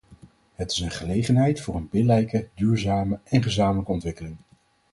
Het is een gelegenheid voor een billijke, duurzame en gezamenlijke ontwikkeling.